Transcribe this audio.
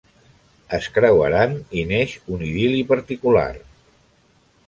Es creuaran i neix un idil·li particular.